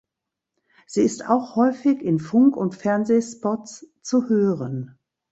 Sie ist auch häufig in Funk- und Fernsehspots zu hören.